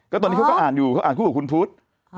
เขาก็อ่านพูดบันทึกหัวคุณพุธ